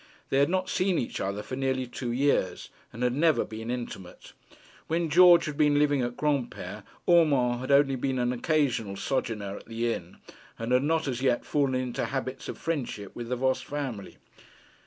They had not seen each other for nearly two years, and had never been intimate. When George had been living at Granpere, Urmand had only been an occasional sojourner at the inn, and had not as yet fallen into habits of friendship with the Voss family.